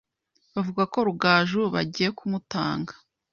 bavuga ko Rugaju bagiye kumutanga.